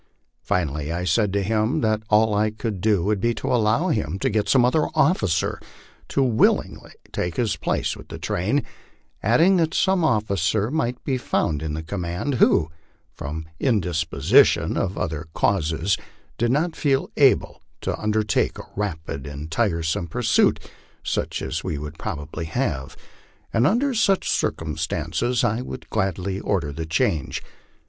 Finally I said to him that all I could do would be to allow him to get some other officer to willingly take his place with the train, adding that some officer might be found in the command who, from indisposition or other causes, did not feel able to undertake a rapid and tiresome pursuit such as we would probably have, and under such circumstances I would gladly order the change.